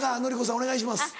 お願いします。